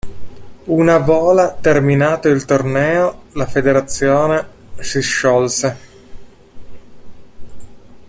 Una vola terminato il torneo, la federazione si sciolse.